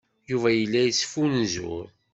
Yuba yella yettfunzur.